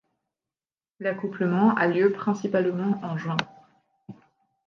L'accouplement a lieu principalement en juin.